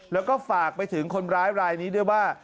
แล้วก็ฝากไปถึงคนร้ายรายนี้ด้วยว่า